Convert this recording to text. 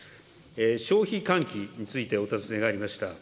消費喚起についてお尋ねがありました。